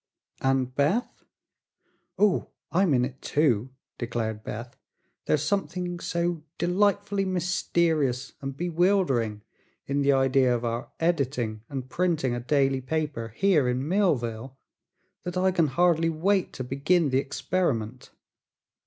"And Beth?" "Oh, I'm in it too," declared Beth. "There's something so delightfully mysterious and bewildering in the idea of our editing and printing a daily paper here in Millville that I can hardly wait to begin the experiment."